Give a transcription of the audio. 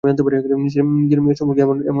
নিজের মেয়ের সম্পর্কে এমন ভাবতে পারলে কী করে?